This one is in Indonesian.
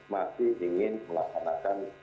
masih ingin melaksanakan